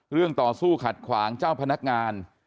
ต่อสู้ขัดขวางเจ้าพนักงาน